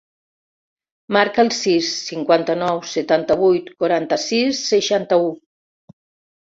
Marca el sis, cinquanta-nou, setanta-vuit, quaranta-sis, seixanta-u.